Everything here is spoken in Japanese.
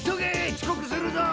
ちこくするぞ！